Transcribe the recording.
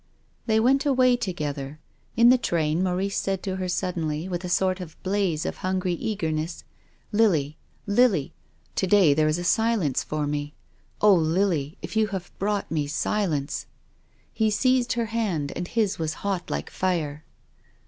They went away together. In the train Maurice said to her suddenly, with a sort of blaze of hungry eagerness :" Lily — Lily — to day there is a silence for me. Oh, Lily, if you have brought me silence." He seized her hand and his was hot like fire.